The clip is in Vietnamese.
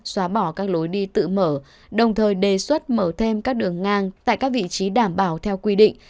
xóa bỏ các lối đi tự mở đồng thời đề xuất mở thêm các đường ngang tại các vị trí đảm bảo theo quy định